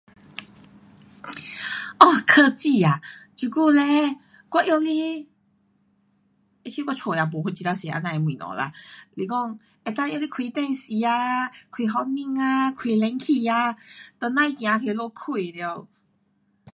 哦科技啊，现在嘞可以用来开电视，开冷气。